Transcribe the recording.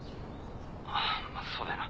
☎あっまあそうだよな。